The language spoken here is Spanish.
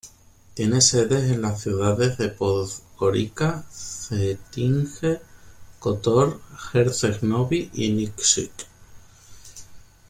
Tiene sedes en las ciudades de Podgorica, Cetinje, Kotor, Herceg Novi y Nikšić.